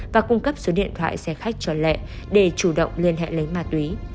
và cung cấp số điện thoại xe khách cho lẹ để chủ động liên hệ lấy ma túy